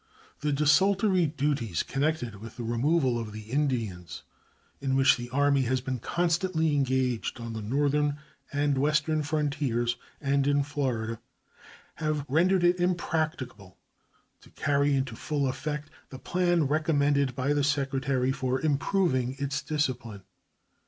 The desultory duties connected with the removal of the Indians, in which the Army has been constantly engaged on the northern and western frontiers and in Florida, have rendered it impracticable to carry into full effect the plan recommended by the Secretary for improving its discipline.